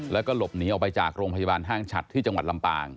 แล้วก็หลบหนีออกไปจากโรงพยาบาลห้างฉัดที่จังหวัดลำปาง